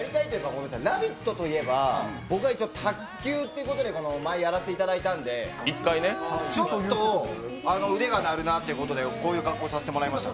「ラヴィット！」といえば、僕が一応、卓球ということで前やらせていただいたんでちょっと腕が鳴るなということでこういう格好させてもらいました。